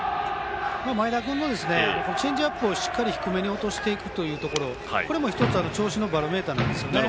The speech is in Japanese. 前田君もチェンジアップを低めに落としていくというところこれも１つ調子のバロメーターなんです。